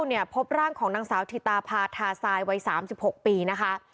เนี่ยพบร่างของสาวธิตาปาทาทรายวัยสามสิบหกปีนะคะ